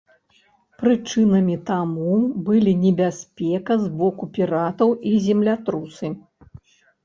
Прычынамі таму былі небяспека з боку піратаў і землятрусы.